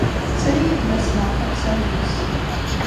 Tetter-iyi-d ma ssneɣ tansa-nnes.